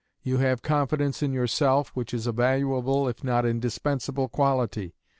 You have confidence in yourself, which is a valuable if not indispensable quality.